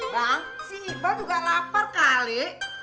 bang si iqbal juga lapar kali